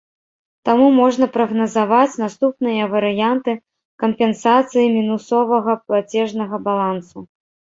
Таму можна прагназаваць наступныя варыянты кампенсацыі мінусовага плацежнага балансу.